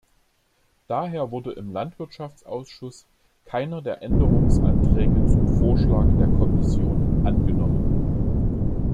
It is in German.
Daher wurde im Landwirtschaftsausschuss keiner der Änderungsanträge zum Vorschlag der Kommission angenommen.